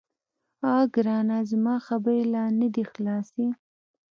_اه ګرانه، زما خبرې لا نه دې خلاصي.